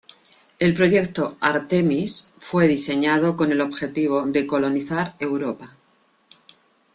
El proyecto Artemis fue diseñado con el objetivo de colonizar Europa.